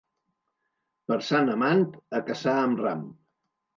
Per Sant Amand, a caçar amb ram.